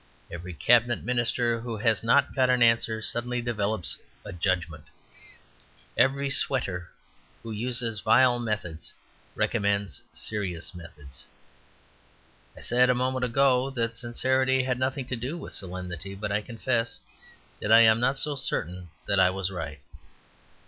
Every Cabinet minister who has not got an answer suddenly develops a "judgment." Every sweater who uses vile methods recommends "serious methods." I said a moment ago that sincerity had nothing to do with solemnity, but I confess that I am not so certain that I was right.